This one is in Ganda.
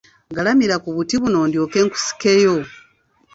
Galamira ku buti buno ndyoke nkusikeyo.